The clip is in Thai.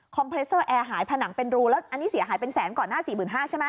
เพรสเตอร์แอร์หายผนังเป็นรูแล้วอันนี้เสียหายเป็นแสนก่อนหน้า๔๕๐๐ใช่ไหม